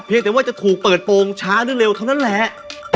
แต่ว่าจะถูกเปิดโปรงช้าหรือเร็วเท่านั้นแหละ